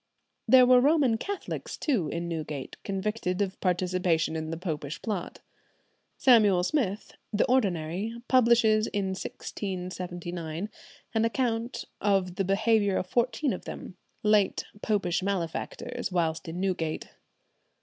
There were Roman Catholics too in Newgate, convicted of participation in the Popish Plot. Samuel Smith, the ordinary, publishes in 1679 an account of the behaviour of fourteen of them, "late Popish malefactors, whilst in Newgate."